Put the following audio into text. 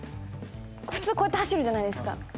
普通こう走るじゃないですか。